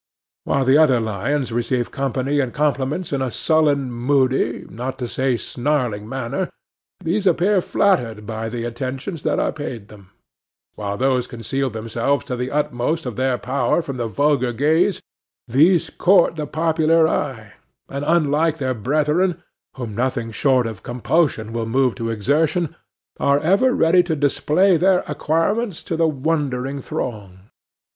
While the other lions receive company and compliments in a sullen, moody, not to say snarling manner, these appear flattered by the attentions that are paid them; while those conceal themselves to the utmost of their power from the vulgar gaze, these court the popular eye, and, unlike their brethren, whom nothing short of compulsion will move to exertion, are ever ready to display their acquirements to the wondering throng.